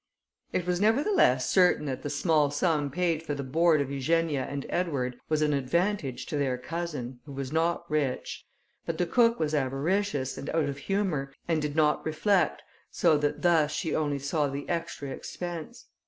It was nevertheless certain that the small sum paid for the board of Eugenia and Edward was an advantage to their cousin, who was not rich; but the cook was avaricious, and out of humour, and did not reflect, so that thus she only saw the extra expense.